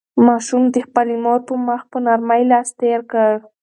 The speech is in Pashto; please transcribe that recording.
ماشوم د خپلې مور په مخ په نرمۍ لاس تېر کړ.